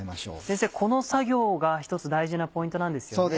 先生この作業が一つ大事なポイントなんですよね。